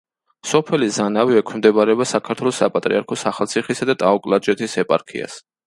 სოფელი ზანავი ექვემდებარება საქართველოს საპატრიარქოს ახალციხისა და ტაო-კლარჯეთის ეპარქიას.